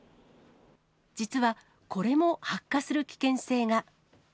実はこれも発火する危険性が。